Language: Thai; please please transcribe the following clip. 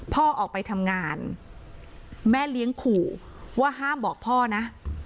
พ่อออกไปทำงานแม่เลี้ยงขู่ว่าห้ามบอกพ่อนะ